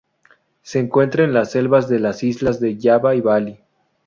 Se encuentra en las selvas de las islas de Java y Bali.